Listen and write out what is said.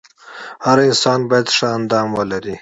هر انسان باید ښه اندام ولري .